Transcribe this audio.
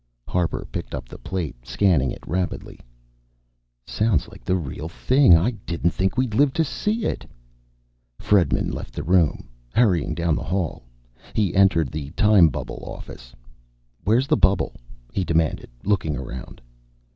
Harper picked up the plate, scanning it rapidly. "Sounds like the real thing. I didn't think we'd live to see it." Fredman left the room, hurrying down the hall. He entered the time bubble office. "Where's the bubble?" he demanded, looking around.